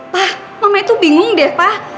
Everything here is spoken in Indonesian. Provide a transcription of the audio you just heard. pak mama itu bingung deh pak